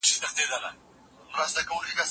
سياسي غورځنګونو په اروپا کي لوی فکري بدلونونه راوستل.